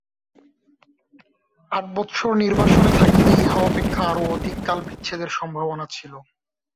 আট বৎসর নির্বাসনে থাকিলে ইহা অপেক্ষা আরও অধিক কাল বিচ্ছেদের সম্ভাবনা ছিল।